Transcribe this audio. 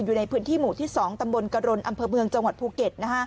อยู่ในพื้นที่หมู่ที่๒ตำบลกรณอำเภอเมืองจังหวัดภูเก็ต